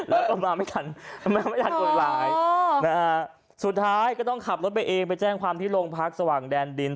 แล้วก็มาไม่ทันมาไม่ทันกฎหมายสุดท้ายก็ต้องขับรถไปเองไปแจ้งความที่โรงพักสว่างแดนดิน